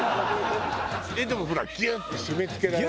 でもほらギュッて締め付けられない？